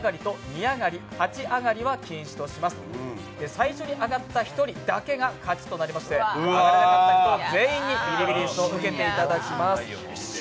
最初にあがった１人だけが勝ちとなりまして、残った人全員にビリビリ椅子を受けていただきます。